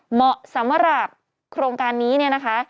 เหมาะสำหรับโครงการนี้เนี่ยนะคะ